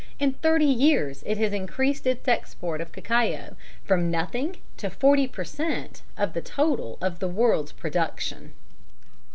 In thirty years it has increased its export of cacao from nothing to 40 per cent. of the total of the world's production.